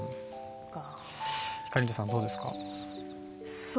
ひかりんちょさん、どうですか？